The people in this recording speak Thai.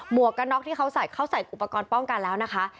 วกกันน็อกที่เขาใส่เขาใส่อุปกรณ์ป้องกันแล้วนะคะ